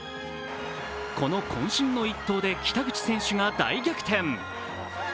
このこん身の一投で北口選手が大逆転。